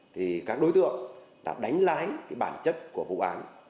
thì các đối tượng đã đánh lái bản chất của vụ án